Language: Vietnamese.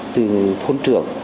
từ thôn trưởng